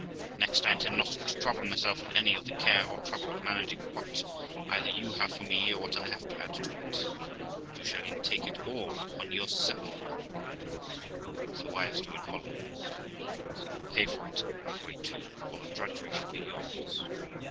Next, I intend not to trouble myself with any of the care or trouble of managing what either you have for me or what I have to add to it; but you shall e'en take it all upon yourself, as the wives do in Holland ; so you will pay for it that way too, for all the drudgery shall be yours.